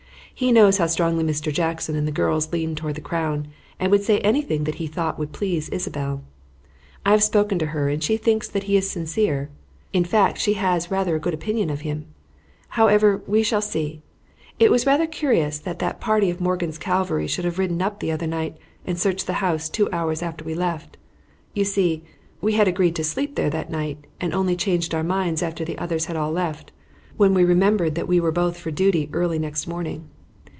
"He knows how strongly Mr. Jackson and the girls lean toward the Crown, and would say anything that he thought would please Isabelle. I have spoken to her and she thinks that he is sincere; in fact, she has rather a good opinion of him. However, we shall see. It was rather curious that that party of Morgan's cavalry should have ridden up the other night and searched the house two hours after we left. You see, we had agreed to sleep there that night, and only changed our minds after the others had all left, when we remembered that we were both for duty early next morning.